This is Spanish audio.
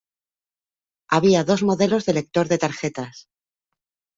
Había dos modelos de lector de tarjetas.